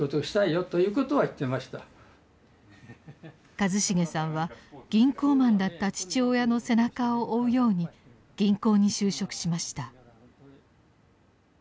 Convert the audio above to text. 和重さんは銀行マンだった父親の背中を追うように銀行に就職しました。